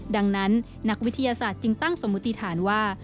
ดังนั้นนักวิทยาศาสตร์จึงตั้งสมมติฐานว่า